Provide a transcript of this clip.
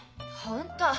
本当。